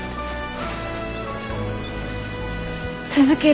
続ける。